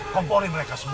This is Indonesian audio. komporin mereka semua